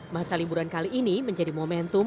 masa liburan kali ini menjadi momentum